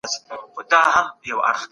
دروازه يې د ښځې پر مخ بنده کړه.